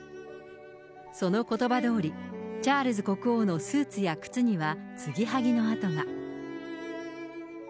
そのことばどおり、チャールズ国王のスーツや靴にはつぎはぎの跡が。